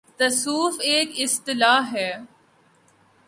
' تصوف‘ ایک اصطلاح ہے۔